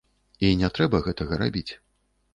І не трэба гэтага рабіць.